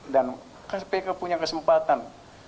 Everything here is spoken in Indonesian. dan kan pk punya kesempatan